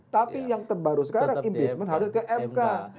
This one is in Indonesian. tapi yang terbaru sekarang impeachment harus ke mk